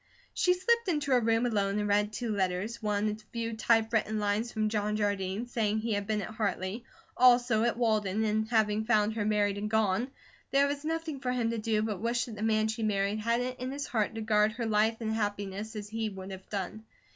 She slipped into her room alone and read two letters, one a few typewritten lines from John Jardine, saying he had been at Hartley, also at Walden, and having found her married and gone, there was nothing for him to do but wish that the man she married had it in his heart to guard her life and happiness as he would have done.